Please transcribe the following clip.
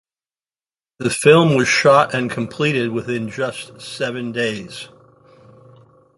The film was shot and completed within just seven days.